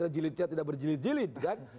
jilidnya tidak berjilid jilid kan